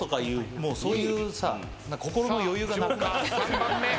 もうそういうさ心の余裕がなくなって。